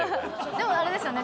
でもあれですよね。